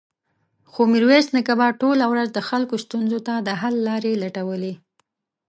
خو ميرويس نيکه به ټوله ورځ د خلکو ستونزو ته د حل لارې لټولې.